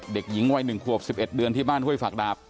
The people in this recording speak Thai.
เด็กหญิงวัยหนึ่งควบสิบเอ็ดเดือนที่บ้านเฮ้ยฝากดาบ